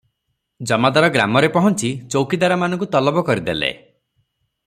ଜମାଦାର ଗ୍ରାମରେ ପହଞ୍ଚି ଚୌକିଦାରମାନଙ୍କୁ ତଲବ କରି ଦେଲେ ।